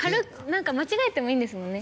間違えてもいいんですもんね？